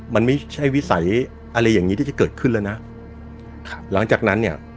มันไม่ใช่วิสัยอะไรอย่างงี้ที่จะเกิดขึ้นแล้วนะครับหลังจากนั้นเนี่ย